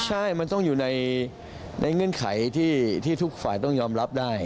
ใช่มันต้องอยู่ในเงื่อนไขที่ทุกฝ่ายต้องยอมรับได้